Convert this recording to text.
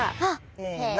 せの。